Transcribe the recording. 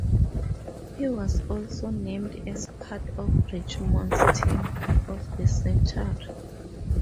He was also named as part of Richmond's team of the century.